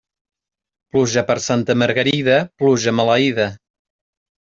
Pluja per Santa Margarida, pluja maleïda.